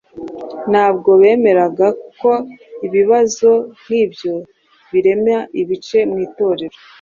ntabwo bemeraga ko ibibazo nk’ibyo birema ibice mu Itorero.